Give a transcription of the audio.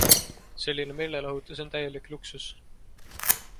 Selline meelelahutus on täielik luksus.